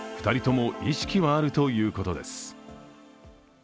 ２人とも意識はあるということです